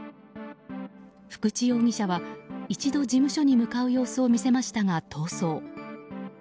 福地容疑者は一度事務所に向かう様子を見せましたが逃走。